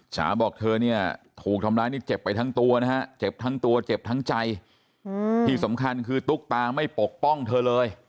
บอกเธอเนี่ยถูกทำร้ายนี่เจ็บไปทั้งตัวนะฮะเจ็บทั้งตัวเจ็บทั้งใจที่สำคัญคือตุ๊กตาไม่ปกป้องเธอเลย